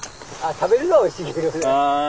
食べるのはおいしいけどね。